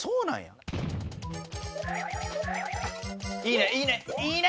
いいねいいね！